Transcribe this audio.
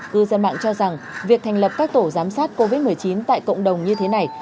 cư dân mạng cho rằng việc thành lập các tổ giám sát covid một mươi chín tại cộng đồng như thế này